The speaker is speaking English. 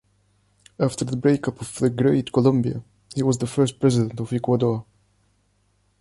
After the breakup of the Great Colombia, he was the first president of Ecuador.